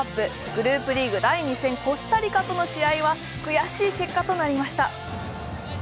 グループリーグ第２戦、コスタリカとの試合は、悔しい結果となりました。